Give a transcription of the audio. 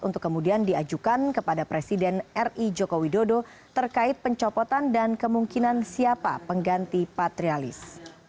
untuk kemudian diajukan kepada presiden ri joko widodo terkait pencopotan dan kemungkinan siapa pengganti patrialis